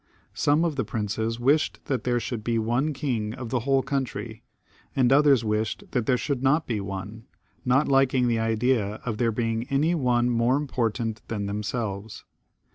Some of the princes wished that there should be one king of the whole country, and others wished that there should not be one, not liking the idea of any one more important than them^ selves.